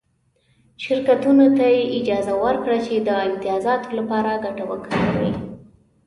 شرکتونو ته یې اجازه ورکړه چې د امتیازاتو لپاره ګټه وکاروي